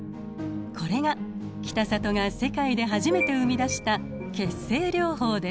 これが北里が世界で初めて生み出した血清療法です。